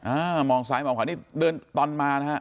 อ่ามองซ้ายมองขวานี่เดินตอนมานะฮะ